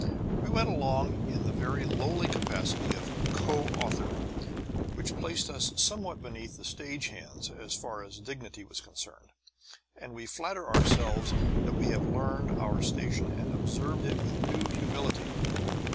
We went along in the very lowly capacity of co author, which placed us somewhat beneath the stage hands as far as dignity was concerned; and we flatter ourself that we have learned our station and observe it with due humility.